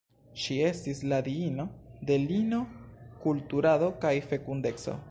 Ŝi estis la diino de lino-kulturado kaj fekundeco.